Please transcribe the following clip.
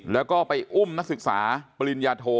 แล้วก็ไปอุ้มนักศึกษาปริญญาโท